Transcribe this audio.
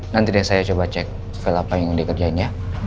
nanti deh saya coba cek spell apa yang dikerjain ya